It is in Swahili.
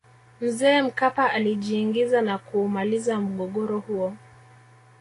mzee mkapa alijiingiza na kuumaliza mgogoro huo